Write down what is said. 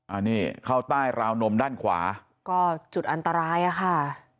อันนี้เข้าใต้ราวนมด้านขวาก็จุดอันตรายอ่ะค่ะ